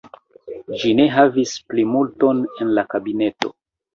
Ĝi ne havis plimulton en la kabineto.